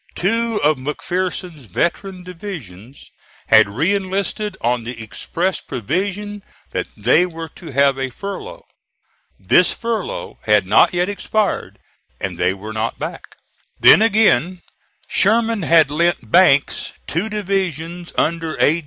Two of McPherson's veteran divisions had re enlisted on the express provision that they were to have a furlough. This furlough had not yet expired, and they were not back. Then, again, Sherman had lent Banks two divisions under A.